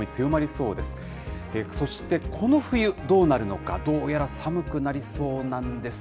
そして、この冬どうなるのか、どうやら寒くなりそうなんです。